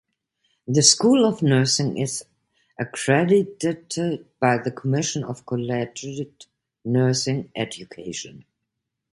The School of Nursing is accredited by the Commission on Collegiate Nursing Education.